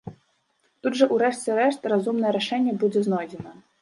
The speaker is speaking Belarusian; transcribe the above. Тут жа ў рэшце рэшт разумнае рашэнне будзе знойдзена.